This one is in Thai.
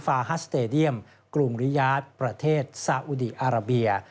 ฮัสสเตดียมกรุงริยาทประเทศซาอุดีอาราเบีย